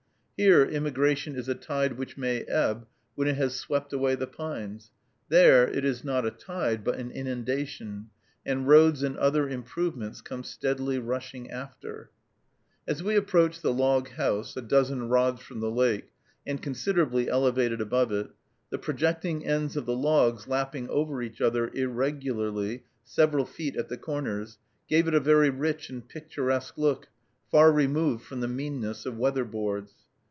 Here immigration is a tide which may ebb when it has swept away the pines; there it is not a tide, but an inundation, and roads and other improvements come steadily rushing after. As we approached the log house, a dozen rods from the lake, and considerably elevated above it, the projecting ends of the logs lapping over each other irregularly several feet at the corners gave it a very rich and picturesque look, far removed from the meanness of weather boards.